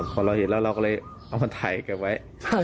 พอเราเห็นแล้วเราก็เลยเอามาถ่ายเก็บไว้